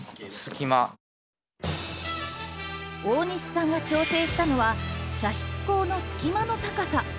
大西さんが調整したのは射出口の隙間の高さ。